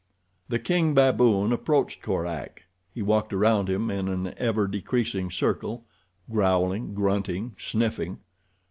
The king baboon approached Korak. He walked around him in an ever decreasing circle—growling, grunting, sniffing.